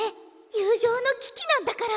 友情の危機なんだから。